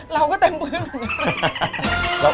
เราก็เต็มพื้น